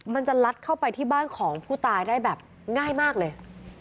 มันจะลัดเข้าไปที่บ้านของผู้ตายได้แบบง่ายมากเลย